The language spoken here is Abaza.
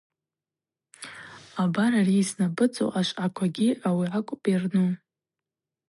Абар ари йснапӏыцӏу ашвъаквагьи ауи акӏвпӏ йырну.